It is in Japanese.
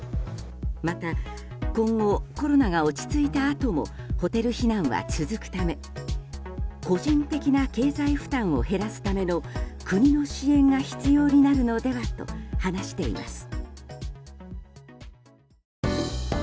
また、今後コロナが落ち着いたあともホテル避難は続くため個人的な経済負担を減らすための国の支援が必要になるのではと話しています。